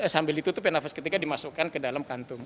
sambil ditutup ya nafas ketiga dimasukkan ke dalam kantung